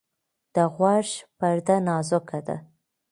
د غوږ پرده نازکه ده.